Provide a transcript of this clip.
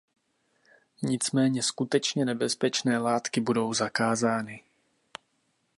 Nicméně skutečně nebezpečné látky budou zakázány.